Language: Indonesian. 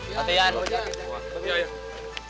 yaudah pamit dong